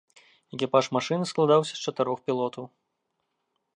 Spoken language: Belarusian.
Экіпаж машыны складаўся з чатырох пілотаў.